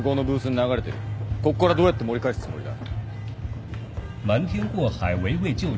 こっからどうやって盛り返すつもりだ。